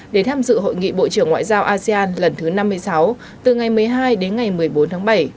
để tham dự hội nghị bộ trưởng ngoại giao asean lần thứ năm mươi sáu từ ngày một mươi hai đến ngày một mươi bốn tháng bảy